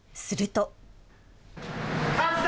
すると。